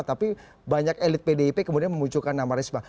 tapi banyak elit pdip kemudian memunculkan nama risma